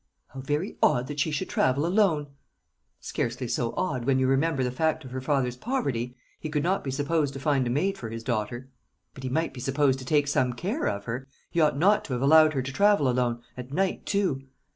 "How very odd that she should travel alone!" "Scarcely so odd, when you remember the fact of her father's poverty. He could not be supposed to find a maid for his daughter." "But he might be supposed to take some care of her. He ought not to have allowed her to travel alone at night too."